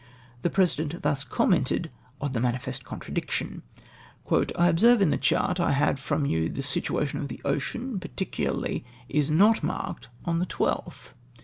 ''' The President thus commented on the manifest con tradiction. Peesident. — "I observe in the chart I had from you the situation of the Ocean particularly is iiot marked on the l'2th.